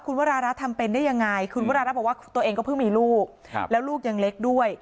คุณวรารัฐทำเป็นได้ยังไงคุณวรารัฐบอกว่าตัวเองก็เพิ่งมีลูกแล้วลูกยังเล็กด้วย